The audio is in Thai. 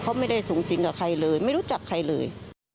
เขาไม่ได้สูงสิงกับใครเลยไม่รู้จักใครเลย